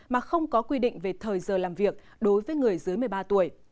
mà không có quy định về thời giờ làm việc đối với người dưới một mươi ba tuổi